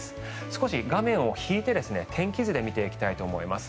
少し画面を引いて、天気図で見ていきたいと思います。